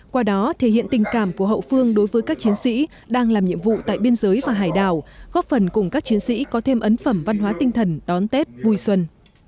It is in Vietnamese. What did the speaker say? qua đó thể hiện tình cảm của hậu phương đối với các chiến sĩ đang làm nhiệm vụ tại biên giới và hải đảo góp phần cùng các chiến sĩ có thêm ấn phẩm văn hóa tinh thần đón tết vui xuân